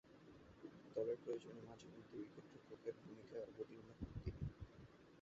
দলের প্রয়োজনে মাঝে-মধ্যে উইকেট-রক্ষকের ভূমিকায় অবতীর্ণ হন তিনি।